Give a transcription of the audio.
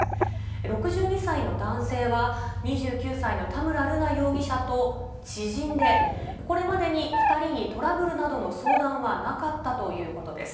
６２歳の男性は、２９歳の田村瑠奈容疑者と知人で、これまでに２人にトラブルなどの相談はなかったということです。